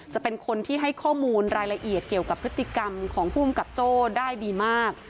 จะเป็นคนที่ให้ข้อมูลรายละเอียดเกี่ยวกับพฤติกรรมของภูมิกับโจ้ได้ดีมาก